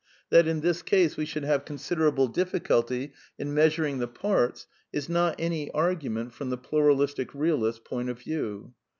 That in this case we should have considerable difficulty in measuring the parts is not any argument from the pluralistic realist's point of view.